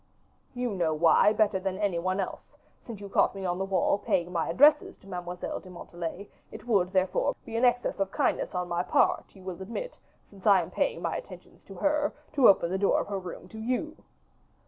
"You know why, better than any one else, since you caught me on the wall paying my addresses to Mademoiselle de Montalais; it would, therefore, be an excess of kindness on my part, you will admit, since I am paying my attentions to her, to open the door of her room to you."